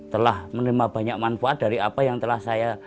telah menerima banyak manfaat dari apa yang telah saya